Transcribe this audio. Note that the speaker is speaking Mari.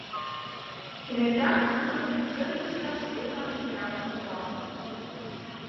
Кенета тудым пукшен пушташ штурман приказым пуа.